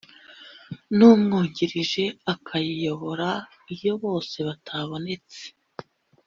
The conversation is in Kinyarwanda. umwungirije akayiyobora Iyo bose batabonetse